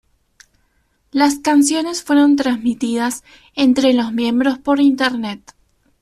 Las canciones fueron transmitidas entre los miembros por Internet